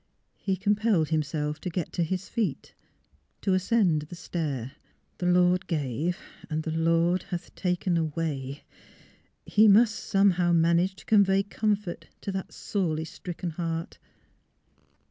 He com pelled himself to get to his feet — to ascend the stair. '^ The Lord gave, and the Lord hath taken away " He must, somehow, manage to convey comfort to that sorely stricken heart.